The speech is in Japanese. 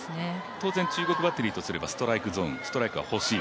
当然中国バッテリーとすればストライクゾーンストライクは欲しい。